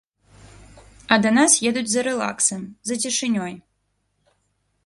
А да нас едуць за рэлаксам, за цішынёй.